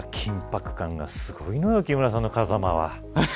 また緊迫感がすごいのよ木村さんの風間は。